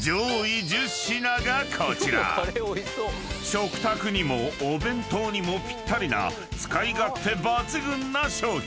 ［食卓にもお弁当にもぴったりな使い勝手抜群な商品］